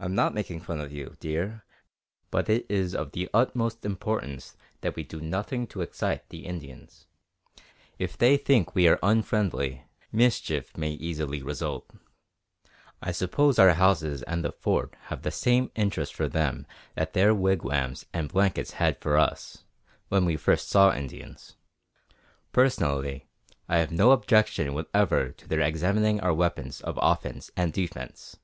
"I'm not making fun of you, dear, but it is of the utmost importance that we do nothing to excite the Indians. If they think we are unfriendly, mischief may easily result. I suppose our houses and the Fort have the same interest for them that their wigwams and blankets had for us, when we first saw Indians. Personally, I have no objection whatever to their examining our weapons of offence and defence."